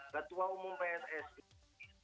ketua umum pssi harus bersikap tegas